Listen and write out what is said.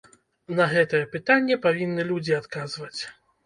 На гэтае пытанне павінны людзі адказваць.